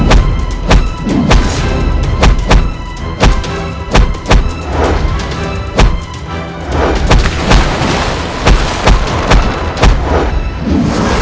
ayah ini akan memulakan babakku